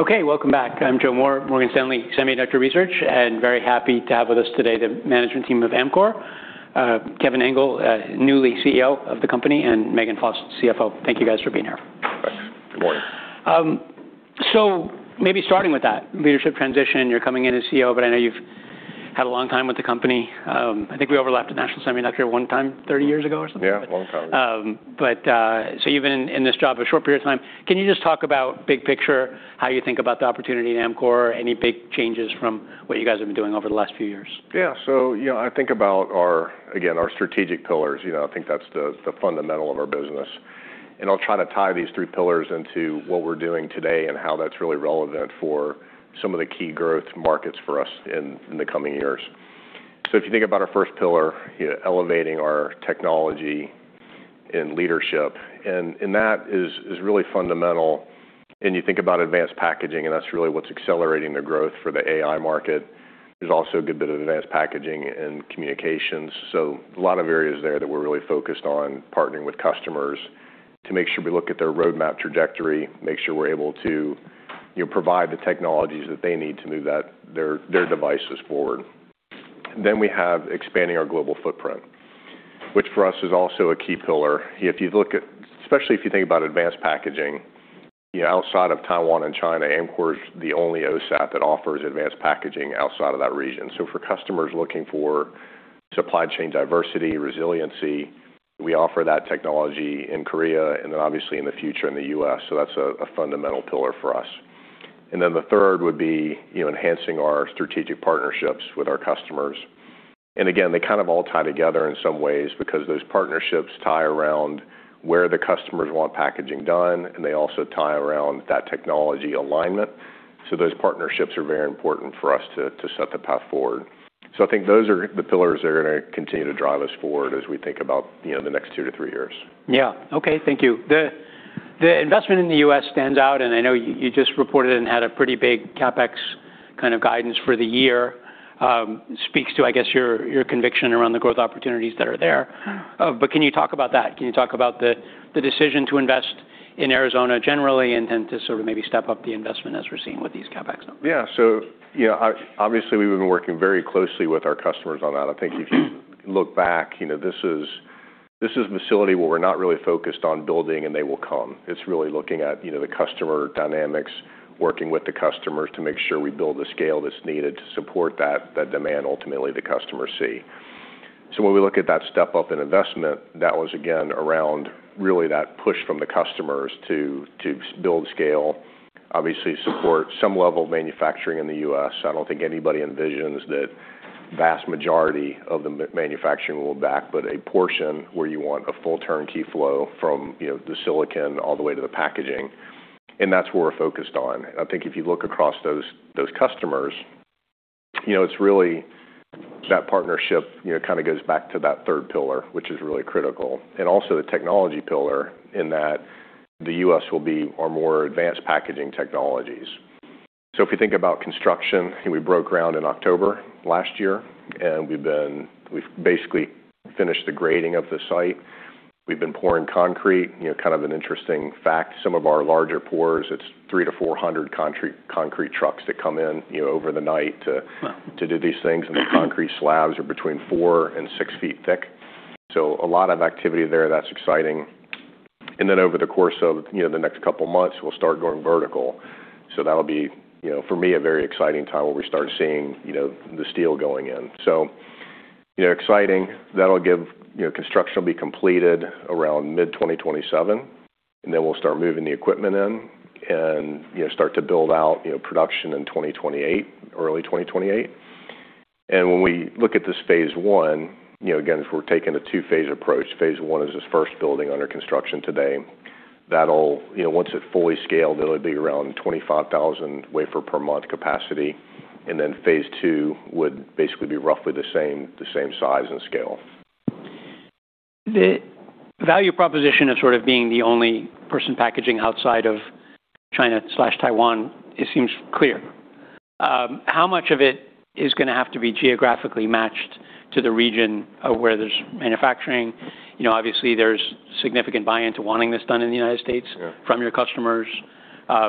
Okay, welcome back. I'm Joe Moore, Morgan Stanley, Semiconductor Research. Very happy to have with us today the management team of Amkor Technology. Kevin Engel, newly CEO of the company, and Megan Faust, CFO. Thank you guys for being here. Thanks. Good morning. Maybe starting with that leadership transition, you're coming in as CEO, but I know you've had a long time with the company. I think we overlapped at National Semiconductor one time 30 years ago or something. Yeah, a long time ago. You've been in this job a short period of time. Can you just talk about big picture, how you think about the opportunity at Amkor? Any big changes from what you guys have been doing over the last few years? You know, I think about our, again, our strategic pillars. You know, I think that's the fundamental of our business. I'll try to tie these three pillars into what we're doing today and how that's really relevant for some of the key growth markets for us in the coming years. If you think about our first pillar, you know, elevating our technology and leadership, and that is really fundamental. You think about advanced packaging, and that's really what's accelerating the growth for the AI market. There's also a good bit of advanced packaging in communications. A lot of areas there that we're really focused on partnering with customers to make sure we look at their roadmap trajectory, make sure we're able to, you know, provide the technologies that they need to move their devices forward. We have expanding our global footprint, which for us is also a key pillar. Especially if you think about advanced packaging, you know, outside of Taiwan and China, Amkor is the only OSAT that offers advanced packaging outside of that region. For customers looking for supply chain diversity, resiliency, we offer that technology in Korea, and then obviously in the U.S. That's a fundamental pillar for us. The third would be, you know, enhancing our strategic partnerships with our customers. Again, they kind of all tie together in some ways because those partnerships tie around where the customers want packaging done, and they also tie around that technology alignment. Those partnerships are very important for us to set the path forward. I think those are the pillars that are gonna continue to drive us forward as we think about, you know, the next two to three years. Okay. Thank you. The investment in the U.S. stands out. I know you just reported and had a pretty big CapEx kind of guidance for the year. Speaks to, I guess, your conviction around the growth opportunities that are there. Can you talk about that? Can you talk about the decision to invest in Arizona generally and then to sort of maybe step up the investment as we're seeing with these CapEx numbers? Yeah. You know, obviously, we've been working very closely with our customers on that. I think if you look back, you know, this is a facility where we're not really focused on building and they will come. It's really looking at, you know, the customer dynamics, working with the customers to make sure we build the scale that's needed to support that demand, ultimately, the customers see. When we look at that step-up in investment, that was again around really that push from the customers to build scale, obviously support some level of manufacturing in the U.S. I don't think anybody envisions that vast majority of the manufacturing will back, but a portion where you want a full turnkey flow from, you know, the silicon all the way to the packaging, and that's where we're focused on. I think if you look across those customers, you know, it's really that partnership, you know, kind of goes back to that third pillar, which is really critical. Also the technology pillar in that the U.S. will be our more advanced packaging technologies. If you think about construction, we broke ground in October last year, and we've basically finished the grading of the site. We've been pouring concrete. You know, kind of an interesting fact, some of our larger pours, it's 300 concrete-400 concrete trucks that come in, you know, over the night. Wow. -to do these things. The concrete slabs are between 4 feet and 6 feet thick. A lot of activity there. That's exciting. Over the course of, you know, the next couple of months, we'll start going vertical. That'll be, you know, for me, a very exciting time where we start seeing, you know, the steel going in. You know, exciting. You know, construction will be completed around mid-2027, and then we'll start moving the equipment in and, you know, start to build out, you know, production in 2028, early 2028. When we look at this phase I, you know, again, if we're taking a two-phase approach, phase I is this first building under construction today. You know, once it's fully scaled, it'll be around 25,000 wafers per month capacity. phase II would basically be roughly the same, the same size and scale. The value proposition of sort of being the only person packaging outside of China/Taiwan, it seems clear. How much of it is gonna have to be geographically matched to the region where there's manufacturing? You know, obviously, there's significant buy-in to wanting this done in the United States. Yeah. -from your customers,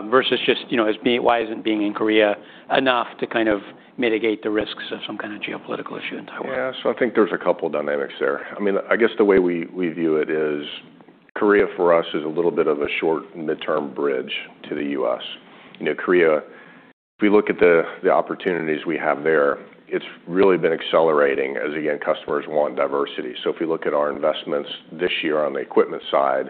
versus just, you know, why isn't being in Korea enough to kind of mitigate the risks of some kind of geopolitical issue in Taiwan? I think there's a couple of dynamics there. I mean, I guess the way we view it is Korea, for us, is a little bit of a short midterm bridge to the U.S. You know, Korea, if we look at the opportunities we have there, it's really been accelerating as, again, customers want diversity. If you look at our investments this year on the equipment side,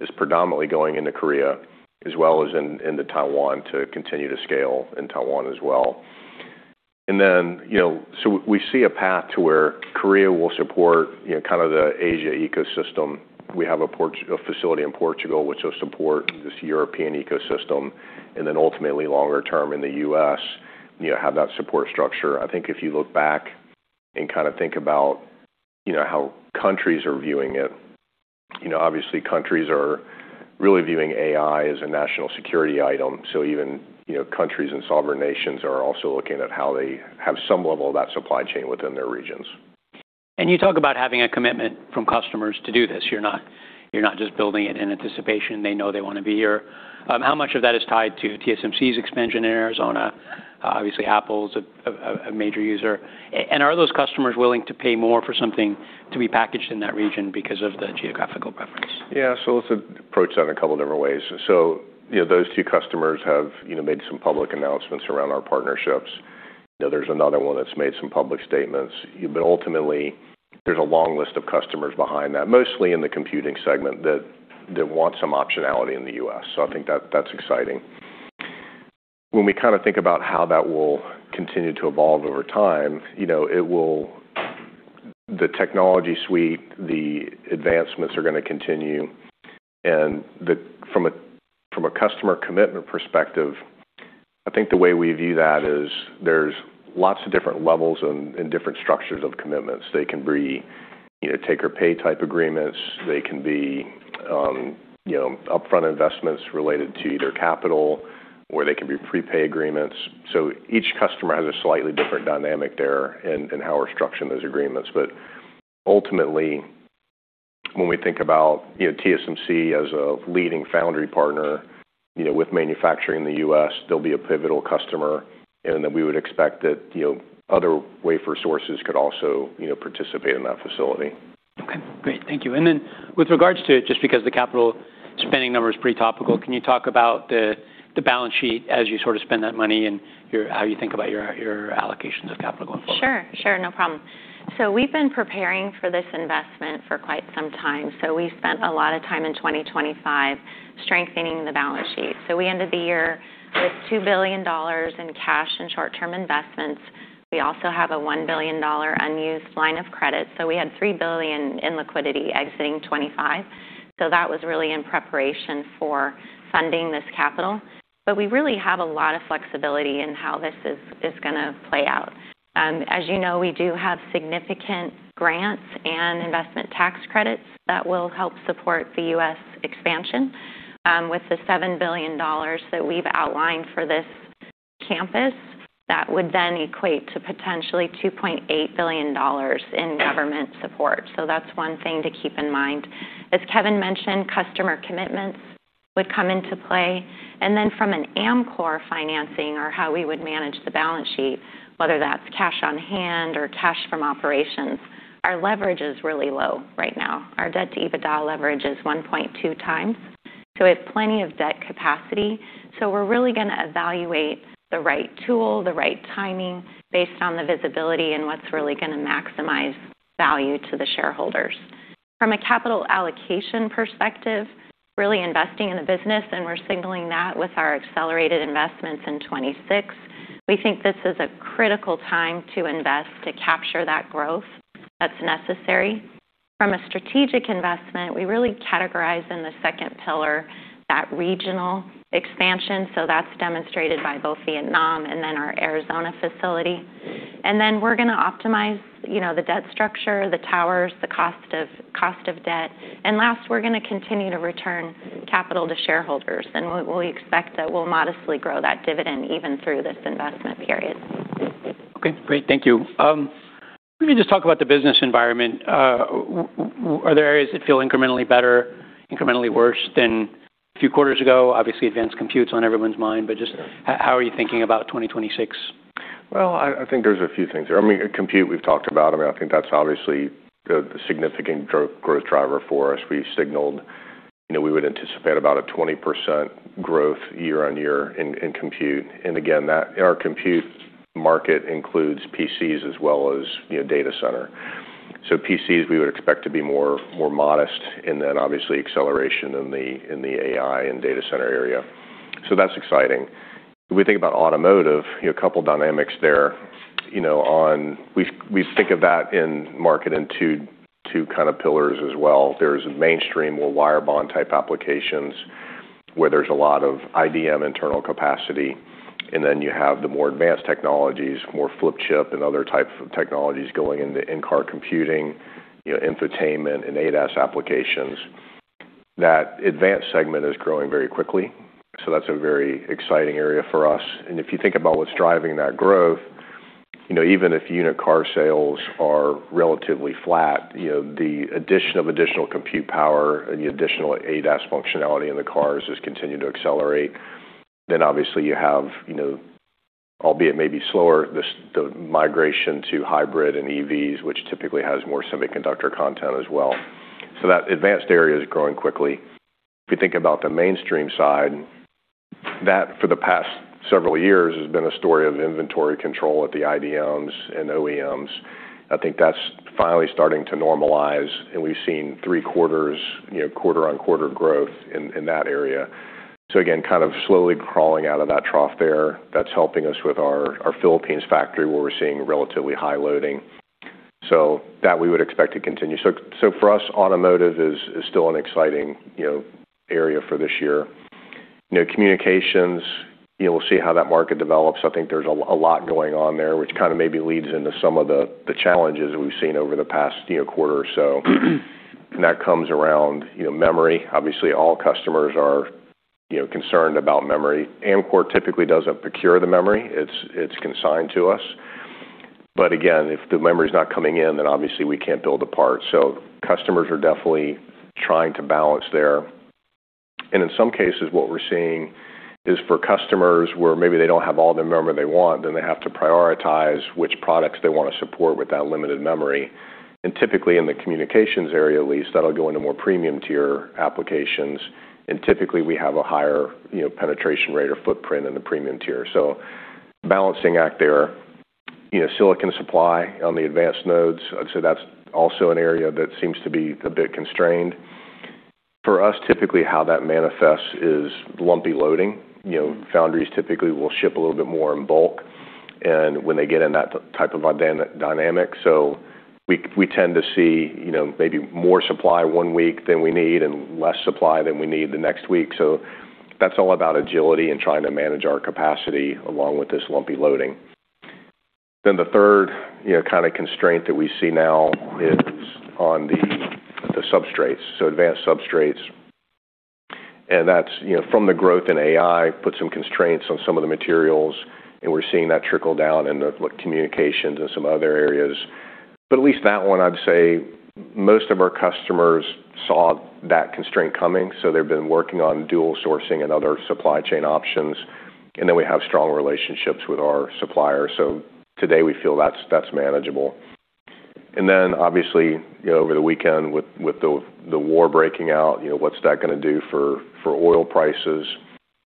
is predominantly going into Korea as well as into Taiwan to continue to scale in Taiwan as well. You know, we see a path to where Korea will support, you know, kind of the Asia ecosystem. We have a facility in Portugal, which will support this European ecosystem, and then ultimately, longer term in the U.S., you know, have that support structure. I think if you look back and kind of think about, you know, how countries are viewing it, you know, obviously, countries are really viewing AI as a national security item. Even, you know, countries and sovereign nations are also looking at how they have some level of that supply chain within their regions. You talk about having a commitment from customers to do this. You're not, you're not just building it in anticipation. They know they want to be here. How much of that is tied to TSMC's expansion in Arizona? Obviously, Apple's a major user. Are those customers willing to pay more for something to be packaged in that region because of the geographical preference? Yeah. Let's approach that in a couple different ways. You know, those two customers have, you know, made some public announcements around our partnerships. You know, there's another one that's made some public statements. Ultimately, there's a long list of customers behind that, mostly in the computing segment, that want some optionality in the U.S. I think that's exciting. When we kind of think about how that will continue to evolve over time, you know, the technology suite, the advancements are going to continue. From a customer commitment perspective, I think the way we view that is there's lots of different levels and different structures of commitments. They can be, you know, take-or-pay type agreements. They can be, you know, upfront investments related to their capital, or they can be prepay agreements. Each customer has a slightly different dynamic there in how we're structuring those agreements. Ultimately, when we think about, you know, TSMC as a leading foundry partner, you know, with manufacturing in the U.S., they'll be a pivotal customer, and we would expect that, you know, other wafer sources could also, you know, participate in that facility. Okay. Great. Thank you. With regards to, just because the capital spending number is pretty topical, can you talk about the balance sheet as you sort of spend that money and how you think about your allocations of capital going forward? Sure. No problem. We've been preparing for this investment for quite some time. We spent a lot of time in 2025 strengthening the balance sheet. We ended the year with $2 billion in cash and short-term investments. We also have a $1 billion unused line of credit. We had $3 billion in liquidity exiting 2025. That was really in preparation for funding this capital. We really have a lot of flexibility in how this is gonna play out. As you know, we do have significant grants and investment tax credits that will help support the U.S. expansion with the $7 billion that we've outlined for this campus. That would then equate to potentially $2.8 billion in government support. That's one thing to keep in mind. As Kevin mentioned, customer commitments would come into play. From an Amkor financing or how we would manage the balance sheet, whether that's cash on hand or cash from operations, our leverage is really low right now. Our debt-to-EBITDA leverage is 1.2x, so we have plenty of debt capacity. We're really gonna evaluate the right tool, the right timing based on the visibility and what's really gonna maximize value to the shareholders. From a capital allocation perspective, really investing in the business, and we're signaling that with our accelerated investments in 2026, we think this is a critical time to invest to capture that growth that's necessary. From a strategic investment, we really categorize in the second pillar that regional expansion, so that's demonstrated by both Vietnam and then our Arizona facility. We're gonna optimize, you know, the debt structure, the towers, the cost of debt. Last, we're going to continue to return capital to shareholders, and we expect that we'll modestly grow that dividend even through this investment period. Okay. Great. Thank you. let me just talk about the business environment. Are there areas that feel incrementally better, incrementally worse than a few quarters ago? Obviously, advanced compute's on everyone's mind, but just how are you thinking about 2026? Well, I think there's a few things there. I mean, compute we've talked about. I mean, I think that's obviously the significant growth driver for us. We signaled, you know, we would anticipate about a 20% growth year-over-year in compute. Again, our compute market includes PCs as well as, you know, data center. PCs, we would expect to be more modest, and then obviously acceleration in the, in the AI and data center area. That's exciting. When we think about automotive, you know, a couple dynamics there, you know, we think of that in market in two kind of pillars as well. There's mainstream or wire bond type applications, where there's a lot of IDM internal capacity, and then you have the more advanced technologies, more flip chip and other types of technologies going into in-car computing, you know, infotainment and ADAS applications. That advanced segment is growing very quickly, so that's a very exciting area for us. If you think about what's driving that growth, you know, even if unit car sales are relatively flat, you know, the addition of additional compute power and the additional ADAS functionality in the cars has continued to accelerate. Obviously you have, you know, albeit maybe slower, the migration to hybrid and EVs, which typically has more semiconductor content as well. That advanced area is growing quickly. You think about the mainstream side, that for the past several years has been a story of inventory control at the IDMs and OEMs. I think that's finally starting to normalize, and we've seen three quarters, you know, quarter-on-quarter growth in that area. Again, kind of slowly crawling out of that trough there. That's helping us with our Philippines factory, where we're seeing relatively high loading. That we would expect to continue. For us, automotive is still an exciting, you know, area for this year. You know, communications, you know, we'll see how that market develops. I think there's a lot going on there, which kind of maybe leads into some of the challenges we've seen over the past, you know, quarter or so. That comes around, you know, memory. Obviously, all customers are, you know, concerned about memory. Amkor typically doesn't procure the memory. It's consigned to us. If the memory is not coming in, then obviously we can't build the part. Customers are definitely trying to balance there. In some cases, what we're seeing is for customers where maybe they don't have all the memory they want, then they have to prioritize which products they want to support with that limited memory. Typically, in the communications area at least, that'll go into more premium tier applications. Typically, we have a higher, you know, penetration rate or footprint in the premium tier. Balancing act there. You know, silicon supply on the advanced nodes, I'd say that's also an area that seems to be a bit constrained. For us, typically how that manifests is lumpy loading. You know, foundries typically will ship a little bit more in bulk and when they get in that type of dynamic. We, we tend to see, you know, maybe more supply one week than we need and less supply than we need the next week. That's all about agility and trying to manage our capacity along with this lumpy loading. The third, you know, kind of constraint that we see now is on the substrates, so advanced substrates. That's, you know, from the growth in AI, put some constraints on some of the materials, and we're seeing that trickle down into communications and some other areas. At least that one, I'd say most of our customers saw that constraint coming, so they've been working on dual sourcing and other supply chain options. We have strong relationships with our suppliers. Today we feel that's manageable. Obviously, you know, over the weekend with the war breaking out, you know, what's that going to do for oil prices?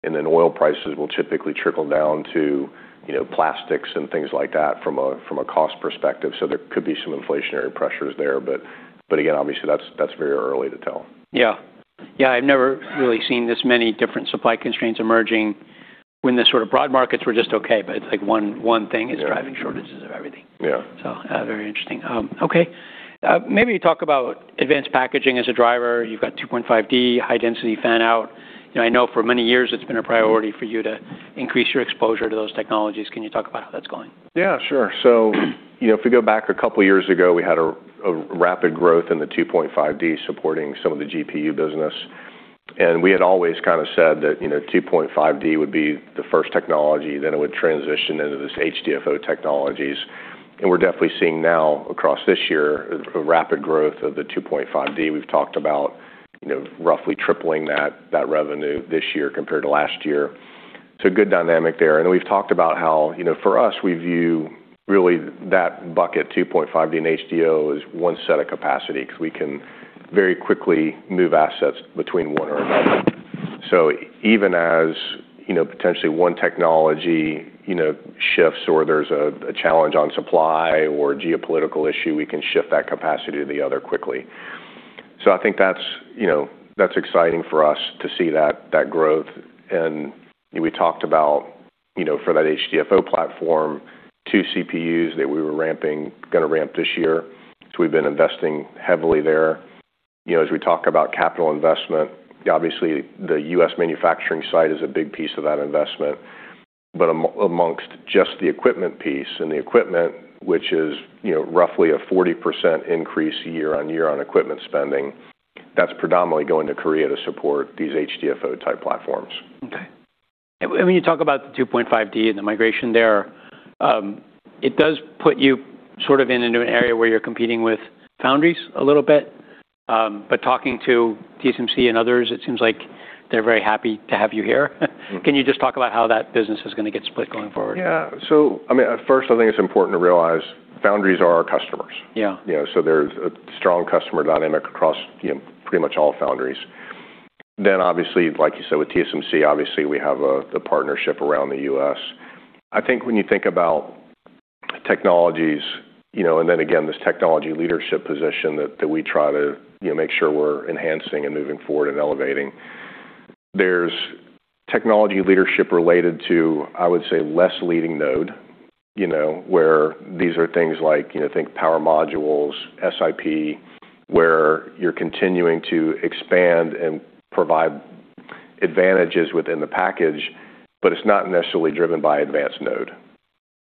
Oil prices will typically trickle down to, you know, plastics and things like that from a cost perspective. There could be some inflationary pressures there. Again, obviously that's very early to tell. Yeah, I've never really seen this many different supply constraints emerging when the sort of broad markets were just okay. It's like one thing is driving shortages of everything. Yeah. Very interesting. Okay. Maybe talk about advanced packaging as a driver. You've got 2.5D, High-Density Fan-Out. You know, I know for many years it's been a priority for you to increase your exposure to those technologies. Can you talk about how that's going? Yeah, sure. You know, if we go back a couple years ago, we had a rapid growth in the 2.5D supporting some of the GPU business. We had always kind of said that, you know, 2.5D would be the first technology, then it would transition into this HDFO technologies. We're definitely seeing now across this year a rapid growth of the 2.5D. We've talked about, you know, roughly tripling that revenue this year compared to last year. A good dynamic there. We've talked about how, you know, for us, we view really that bucket, 2.5D and HDFO, as one set of capacity, because we can very quickly move assets between one or another. Even as, you know, potentially one technology, you know, shifts or there's a challenge on supply or geopolitical issue, we can shift that capacity to the other quickly. I think that's, you know, that's exciting for us to see that growth. We talked about, you know, for that HDFO platform, 2 CPUs that we were ramping, going to ramp this year. We've been investing heavily there. You know, as we talk about capital investment, obviously the U.S. manufacturing site is a big piece of that investment. Amongst just the equipment piece, and the equipment, which is, you know, roughly a 40% increase year-on-year on equipment spending, that's predominantly going to Korea to support these HDFO type platforms. Okay. When you talk about the 2.5D and the migration there, it does put you sort of into an area where you're competing with foundries a little bit. Talking to TSMC and others, it seems like they're very happy to have you here. Mm-hmm. Can you just talk about how that business is going to get split going forward? Yeah. I mean, at first I think it's important to realize foundries are our customers. Yeah. You know, there's a strong customer dynamic across, you know, pretty much all foundries. Obviously, like you said, with TSMC, obviously we have the partnership around the U.S. I think when you think about technologies, you know, again, this technology leadership position that we try to, you know, make sure we're enhancing and moving forward and elevating. There's technology leadership related to, I would say, less leading node, you know, where these are things like, you know, think power modules, SIP, where you're continuing to expand and provide advantages within the package, but it's not necessarily driven by advanced node.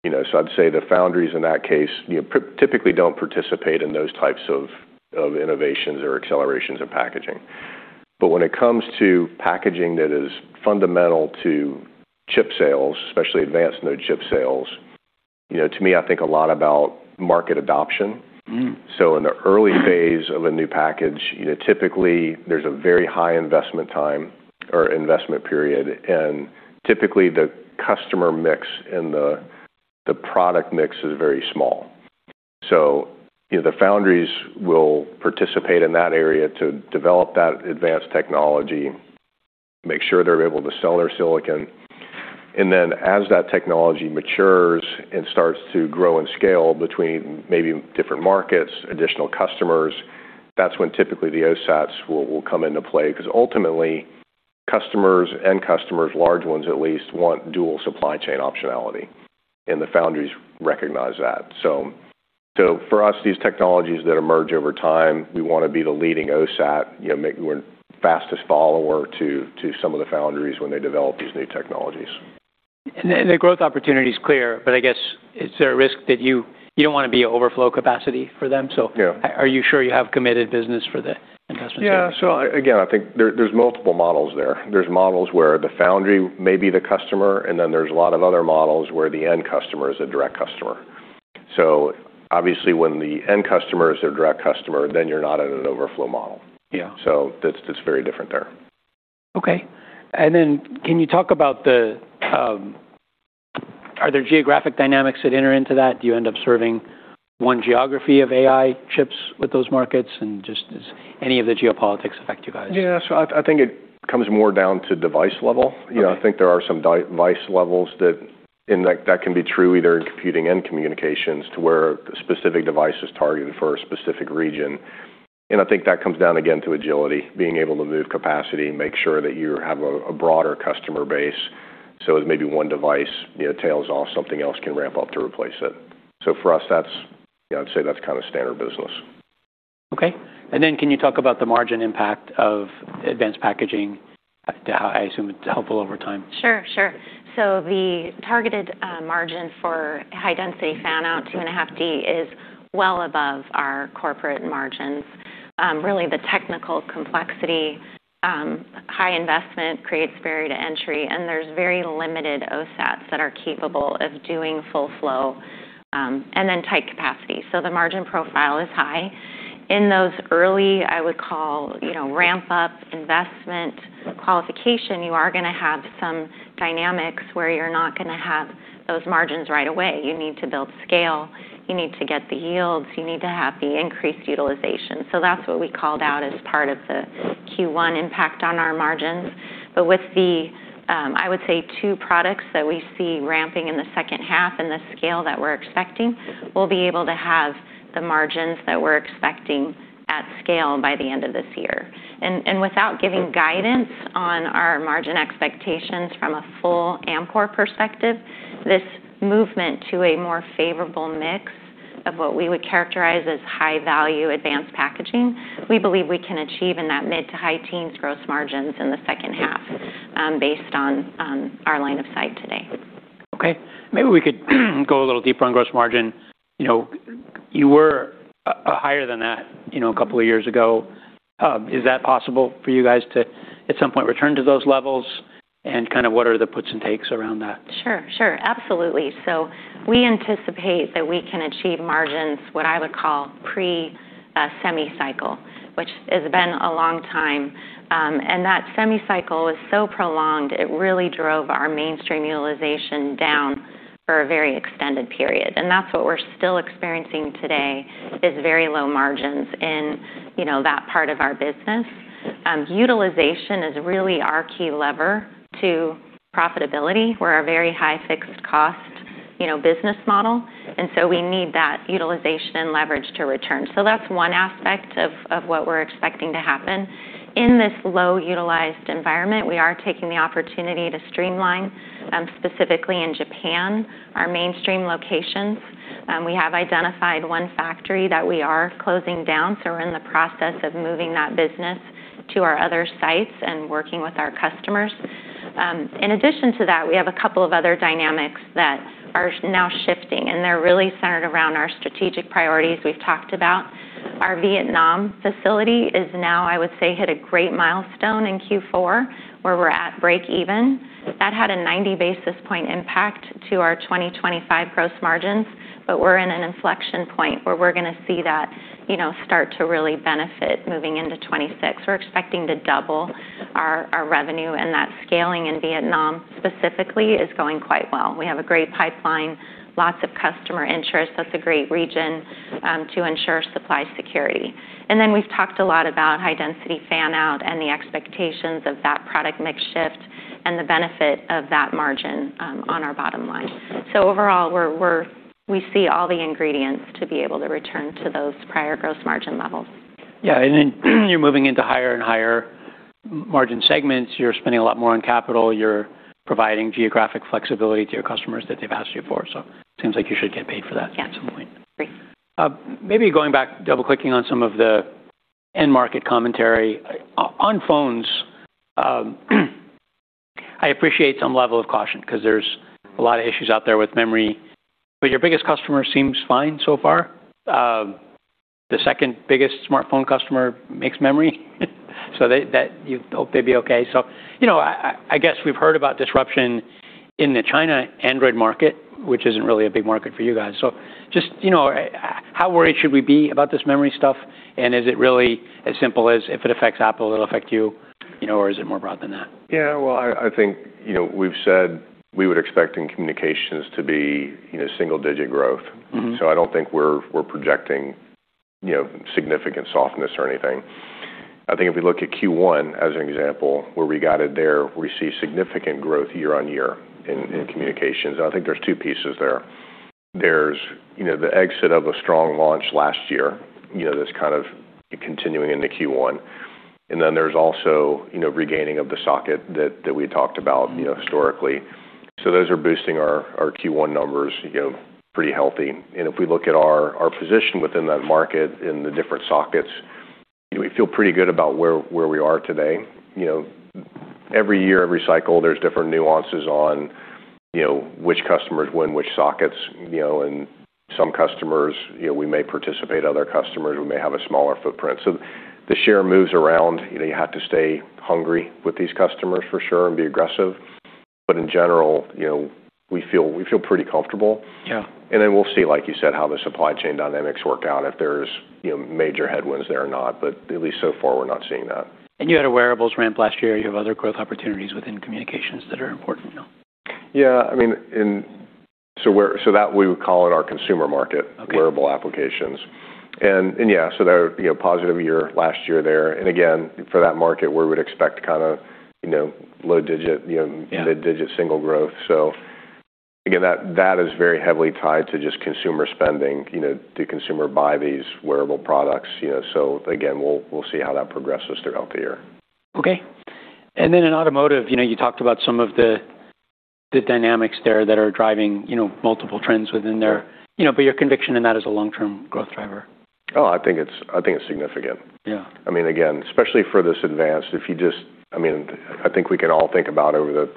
You know, I'd say the foundries in that case, you know, typically don't participate in those types of innovations or accelerations of packaging. When it comes to packaging that is fundamental to chip sales, especially advanced node chip sales, you know, to me, I think a lot about market adoption. Mm. In the early phase of a new package, you know, typically there's a very high investment time or investment period, and typically the customer mix and the product mix is very small. You know, the foundries will participate in that area to develop that advanced technology, make sure they're able to sell their silicon. As that technology matures and starts to grow and scale between maybe different markets, additional customers, that's when typically the OSATs will come into play, because ultimately, customers, end customers, large ones at least, want dual supply chain optionality, and the foundries recognize that. For us, these technologies that emerge over time, we want to be the leading OSAT, you know, maybe we're fastest follower to some of the foundries when they develop these new technologies. The growth opportunity is clear, but I guess is there a risk that you don't want to be overflow capacity for them? Yeah. Are you sure you have committed business for the investment? Yeah. Again, I think there's multiple models there. There's models where the foundry may be the customer, and then there's a lot of other models where the end customer is a direct customer. Obviously when the end customer is their direct customer, then you're not in an overflow model. Yeah. That's very different there. Okay. Can you talk about the, are there geographic dynamics that enter into that? Do you end up serving one geography of AI chips with those markets? Does any of the geopolitics affect you guys? I think it comes more down to device level. Okay. You know, I think there are some device levels that can be true either in computing and communications, to where the specific device is targeted for a specific region. I think that comes down again to agility, being able to move capacity, make sure that you have a broader customer base. As maybe one device, you know, tails off, something else can ramp up to replace it. For us, that's, you know, I'd say that's kind of standard business. Okay. Can you talk about the margin impact of advanced packaging? I assume it's helpful over time. Sure, sure. The targeted margin for High-Density Fan-Out 2.5D is well above our corporate margins. Really the technical complexity, high investment creates barrier to entry, and there's very limited OSATs that are capable of doing full flow, and then tight capacity. The margin profile is high. In those early, I would call, you know, ramp up investment qualification, you are gonna have some dynamics where you're not gonna have those margins right away. You need to build scale, you need to get the yields, you need to have the increased utilization. That's what we called out as part of the Q1 impact on our margins. With the, I would say, two products that we see ramping in the second half and the scale that we're expecting, we'll be able to have the margins that we're expecting at scale by the end of this year. Without giving guidance on our margin expectations from a full Amkor perspective, this movement to a more favorable mix of what we would characterize as high-value advanced packaging, we believe we can achieve in that mid to high teens gross margins in the second half, based on, our line of sight today. Maybe we could go a little deeper on gross margin. You know, you were higher than that, you know, a couple of years ago. Is that possible for you guys to, at some point, return to those levels? Kind of what are the puts and takes around that? Sure. Absolutely. We anticipate that we can achieve margins, what I would call pre semi cycle, which has been a long time. That semi cycle is so prolonged, it really drove our mainstream utilization down for a very extended period. That's what we're still experiencing today, is very low margins in, you know, that part of our business. Utilization is really our key lever to profitability. We're a very high fixed cost, you know, business model. We need that utilization and leverage to return. That's one aspect of what we're expecting to happen. In this low utilized environment, we are taking the opportunity to streamline specifically in Japan, our mainstream locations. We have identified one factory that we are closing down, so we're in the process of moving that business to our other sites and working with our customers. In addition to that, we have a couple of other dynamics that are now shifting, and they're really centered around our strategic priorities we've talked about. Our Vietnam facility is now, I would say, hit a great milestone in Q4, where we're at break even. That had a 90 basis point impact to our 2025 gross margins. But we're in an inflection point where we're gonna see that, you know, start to really benefit moving into 2026. We're expecting to double our revenue, and that scaling in Vietnam specifically is going quite well. We have a great pipeline, lots of customer interest. That's a great region to ensure supply security. We've talked a lot about High-Density Fan-Out and the expectations of that product mix shift and the benefit of that margin on our bottom line. Overall, we see all the ingredients to be able to return to those prior gross margin levels. Yeah. You're moving into higher and higher margin segments. You're spending a lot more on capital. You're providing geographic flexibility to your customers that they've asked you for. Seems like you should get paid for that. Yeah. at some point. Great. Maybe going back, double-clicking on some of the end market commentary. On phones, I appreciate some level of caution 'cause there's a lot of issues out there with memory, but your biggest customer seems fine so far. The second-biggest smartphone customer makes memory, so you hope they'd be okay. You know, I guess we've heard about disruption in the China Android market, which isn't really a big market for you guys. Just, you know, how worried should we be about this memory stuff, and is it really as simple as if it affects Apple, it'll affect you know, or is it more broad than that? Yeah. Well, I think, you know, we've said we would expect in communications to be, you know, single digit growth. Mm-hmm. I don't think we're projecting, you know, significant softness or anything. I think if you look at Q1 as an example, where we guided there, we see significant growth year-on-year in communications. I think there's two pieces there. There's, you know, the exit of a strong launch last year, you know, that's kind of continuing into Q1. Then there's also, you know, regaining of the socket that we talked about, you know, historically. Those are boosting our Q1 numbers, you know, pretty healthy. If we look at our position within that market in the different sockets, we feel pretty good about where we are today. You know, every year, every cycle, there's different nuances on, you know, which customers win which sockets, you know, and some customers, you know, we may participate, other customers we may have a smaller footprint. The share moves around. You know, you have to stay hungry with these customers for sure and be aggressive. In general, you know, we feel pretty comfortable. Yeah. We'll see, like you said, how the supply chain dynamics work out, if there's, you know, major headwinds there or not. At least so far, we're not seeing that. You had a wearables ramp last year. You have other growth opportunities within communications that are important now. Yeah, I mean, that we would call in our consumer market-. Okay. Wearable applications. Yeah, they're, you know, positive year last year there. Again, for that market, we would expect kind of, you know, low digit. Yeah. Mid-digit single growth. Again, that is very heavily tied to just consumer spending. You know, do consumer buy these wearable products? You know, again, we'll see how that progresses throughout the year. Okay. In automotive, you know, you talked about some of the dynamics there that are driving, you know, multiple trends within there. Your conviction in that is a long-term growth driver. Oh, I think it's significant. Yeah. I mean, again, especially for this advanced, I mean, I think we can all think about over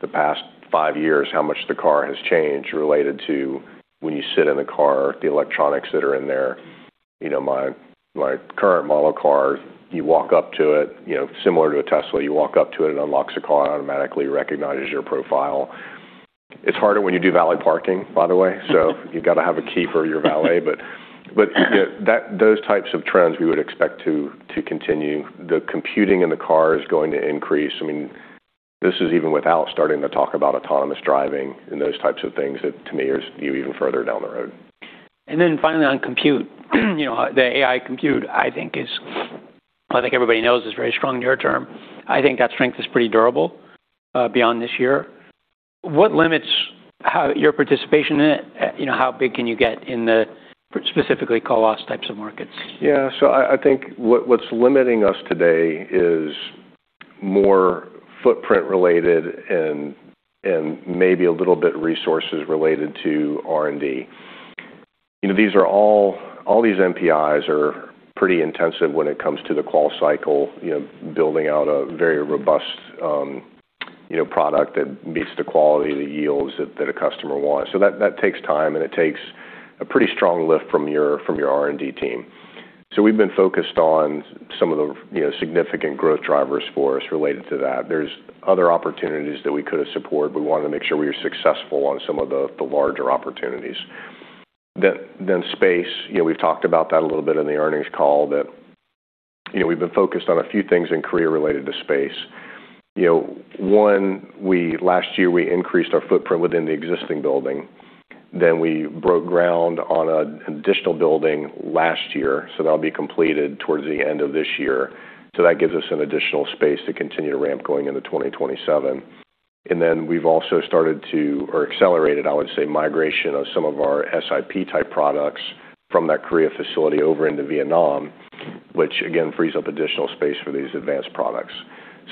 the past five years how much the car has changed related to when you sit in a car, the electronics that are in there. You know, my current model car, you walk up to it, you know, similar to a Tesla, you walk up to it unlocks the car, automatically recognizes your profile. It's harder when you do valet parking, by the way. You've gotta have a key for your valet. Yeah, those types of trends we would expect to continue. The computing in the car is going to increase. I mean, this is even without starting to talk about autonomous driving and those types of things that to me is even further down the road. Finally on compute. You know, the AI compute, I think everybody knows is very strong near term. I think that strength is pretty durable beyond this year. What limits how your participation in it? You know, how big can you get in the specifically yield loss types of markets? I think what's limiting us today is more footprint related and maybe a little bit resources related to R&D. You know, these are all these NPIs are pretty intensive when it comes to the qual cycle, you know, building out a very robust, you know, product that meets the quality, the yields that a customer wants. That takes time, and it takes a pretty strong lift from your R&D team. We've been focused on some of the, you know, significant growth drivers for us related to that. There's other opportunities that we could have supported. We wanted to make sure we were successful on some of the larger opportunities. Space, you know, we've talked about that a little bit in the earnings call, that, you know, we've been focused on a few things in Korea related to space. You know, one, last year we increased our footprint within the existing building, then we broke ground on an additional building last year, so that'll be completed towards the end of this year. That gives us an additional space to continue to ramp going into 2027. We've also started to, or accelerated, I would say, migration of some of our SIP-type products from that Korea facility over into Vietnam, which again, frees up additional space for these advanced products.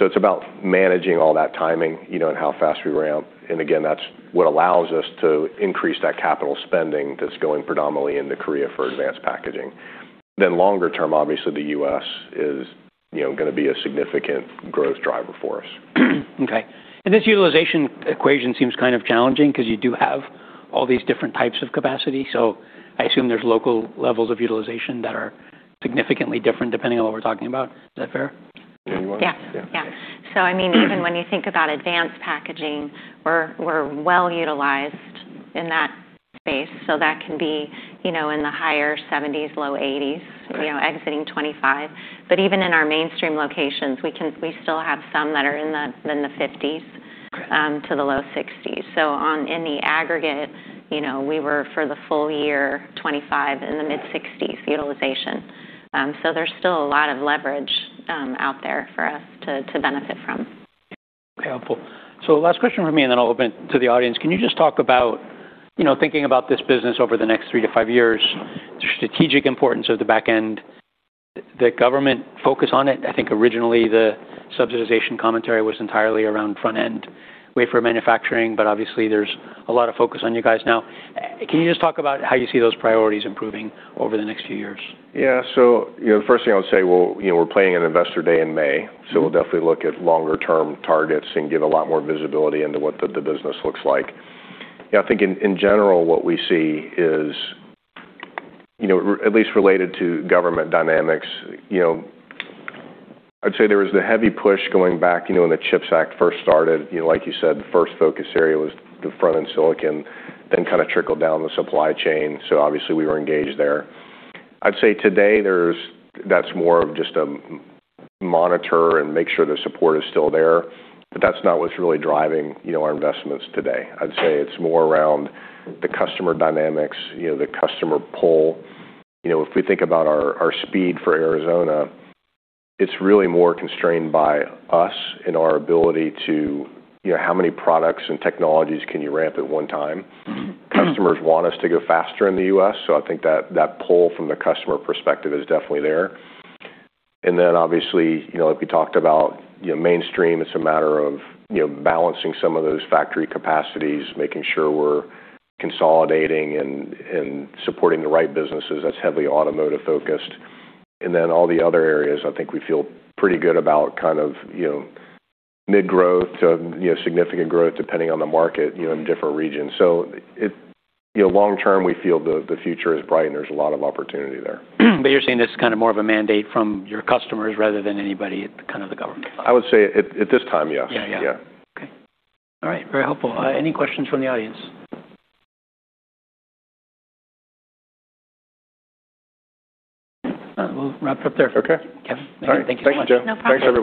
It's about managing all that timing, you know, and how fast we ramp. Again, that's what allows us to increase that capital spending that's going predominantly into Korea for advanced packaging. Longer term, obviously the U.S. is, you know, gonna be a significant growth driver for us. Okay. This utilization equation seems kind of challenging because you do have all these different types of capacity. I assume there's local levels of utilization that are significantly different depending on what we're talking about. Is that fair? Anyone? Yeah. Yeah. Yeah. I mean, even when you think about advanced packaging, we're well utilized in that space, so that can be, you know, in the higher 70s, low 80s%. Okay. You know, exiting 25. Even in our mainstream locations, we still have some that are in the 50s. Okay. To the low 60s. In the aggregate, you know, we were for the full year, 2025, in the mid-60s utilization. There's still a lot of leverage out there for us to benefit from. Helpful. Last question from me, and then I'll open it to the audience. Can you just talk about, you know, thinking about this business over the next three to five years, the strategic importance of the back end, the government focus on it? I think originally the subsidization commentary was entirely around front-end wafer manufacturing, but obviously there's a lot of focus on you guys now. Can you just talk about how you see those priorities improving over the next few years? Yeah. You know, the first thing I would say, well, you know, we're planning an investor day in May. Mm-hmm. We'll definitely look at longer term targets and give a lot more visibility into what the business looks like. I think in general, what we see is, you know, at least related to government dynamics, you know, I'd say there was the heavy push going back, you know, when the CHIPS Act first started, you know, like you said, the first focus area was the front-end silicon, then kind of trickled down the supply chain. Obviously we were engaged there. I'd say today that's more of just a monitor and make sure the support is still there, but that's not what's really driving, you know, our investments today. I'd say it's more around the customer dynamics, you know, the customer pull. You know, if we think about our speed for Arizona, it's really more constrained by us and our ability to, you know, how many products and technologies can you ramp at one time? Customers want us to go faster in the U.S., I think that pull from the customer perspective is definitely there. Obviously, you know, if we talked about, you know, mainstream, it's a matter of, you know, balancing some of those factory capacities, making sure we're consolidating and supporting the right businesses that's heavily automotive-focused. All the other areas, I think we feel pretty good about kind of, you know, mid growth to, you know, significant growth depending on the market, you know, in different regions. You know, long term, we feel the future is bright and there's a lot of opportunity there. You're saying this is kind of more of a mandate from your customers rather than anybody at kind of the government level? I would say at this time, yes. Yeah, yeah. Yeah. Okay. All right. Very helpful. Any questions from the audience? We'll wrap up there. Okay. Kevin, Megan, thank you so much. All right. Thank you, Joe. No problem. Thanks, everyone.